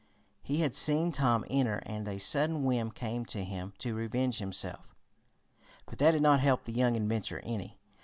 He had seen Tom enter and a sudden whim came to him to revenge himself. But that did not help the young inventor any.